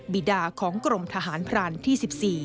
บีดาของกรมทหารพรานที่๑๔